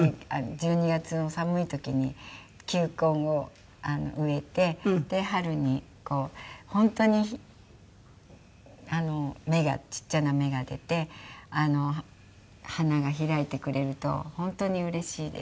１２月の寒い時に球根を植えて春に本当にちっちゃな芽が出て花が開いてくれると本当にうれしいです。